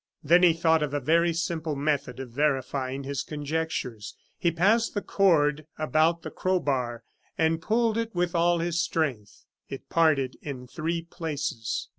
'" Then he thought of a very simple method of verifying his conjectures. He passed the cord about the crowbar and pulled it with all his strength. It parted in three places.